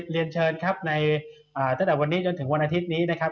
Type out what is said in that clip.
เรียนเชิญครับในตั้งแต่วันนี้จนถึงวันอาทิตย์นี้นะครับ